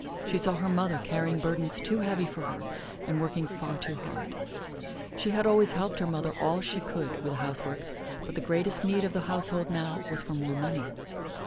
She saw her mother carrying burdens too heavy for her and working far too hard. She had always helped her mother all she could with the housework, but the greatest need of the household now was for more money.